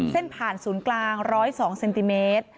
เส้นผ่านศูนย์กลาง๑๐๒เซนติเมตร